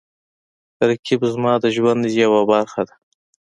رقیب زما د ژوند یوه برخه ده